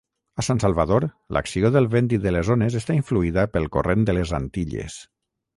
A San Salvador, l'acció del vent i de les ones està influïda pel Corrent de les Antilles.